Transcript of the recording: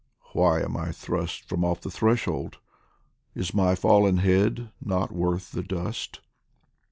" Why am I thrust From off the threshold ? is my fallen head Not worth the dust